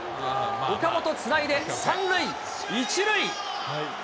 岡本つないで３塁１塁。